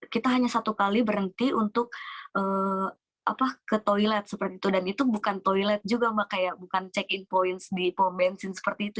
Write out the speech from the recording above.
kita hanya satu kali berhenti untuk ke toilet seperti itu dan itu bukan toilet juga mbak kayak bukan check in points di pom bensin seperti itu